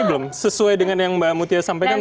ini belum sesuai dengan yang mbak mutia sampaikan belum